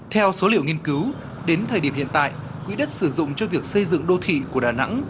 theo số liệu nghiên cứu đến thời điểm hiện tại quỹ đất sử dụng cho việc xây dựng đô thị của đà nẵng